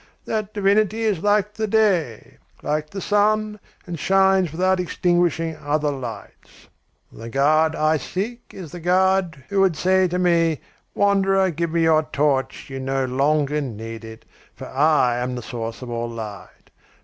That divinity is like the day, like the sun, and shines without extinguishing other lights. The god I seek is the god who would say to me: 'Wanderer, give me your torch, you no longer need it, for I am the source of all light.